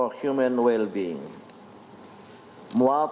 kekuatan yang baik untuk keamanan manusia